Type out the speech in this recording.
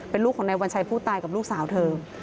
เป็นลูกของนายวัญชัยผู้ตายกับลูกสาวเธอ